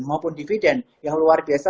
maupun dividen yang luar biasa